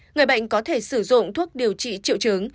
người bệnh có thể sử dụng thuốc điều trị triệu chứng